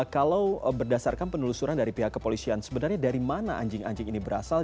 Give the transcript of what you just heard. kalau berdasarkan penelusuran dari pihak kepolisian sebenarnya dari mana anjing anjing ini berasal